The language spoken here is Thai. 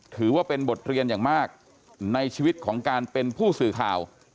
ถือว่าเป็นบทเรียนอย่างมากในชีวิตของการเป็นผู้สื่อข่าว